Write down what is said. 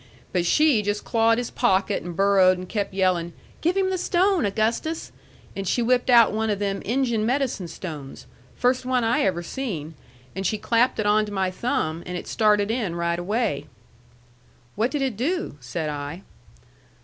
But she just clawed his pocket and burrowed and kep' yelling, 'Give him the stone, Augustus!' And she whipped out one of them Injun medicine stones, first one I ever seen, and she clapped it on to my thumb, and it started in right away." "What did it do?" said I.